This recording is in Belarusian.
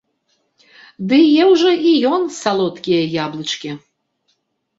Ды еў жа і ён салодкія яблычкі!